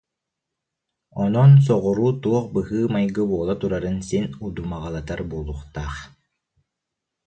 Онон соҕуруу туох быһыы-майгы буола турарын син удумаҕалатар буолуохтаах